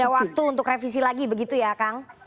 waktu untuk revisi lagi begitu ya kang